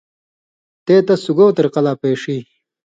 تے تس سُگو طریۡقہ لا پیݜی